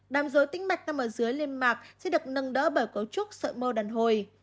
đàm dối tĩnh mạch nằm ở dưới lên mạc sẽ được nâng đỡ bởi cấu trúc sợi mô đàn hồi